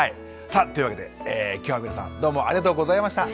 さあというわけで今日は皆さんどうもありがとうございました。